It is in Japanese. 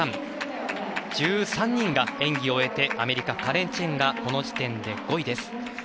１３人が演技を終えてアメリカ、カレン・チェンがこの時点で５位です。